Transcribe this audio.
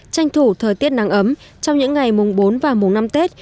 tranh thủ thời tiết nắng ấm trong những ngày mùng bốn và mùng năm tết